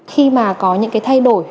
khi mà có những cái thay đổi